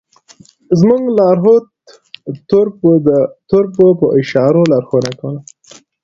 زموږ لارښود تُرک به په اشارو لارښوونه کوله.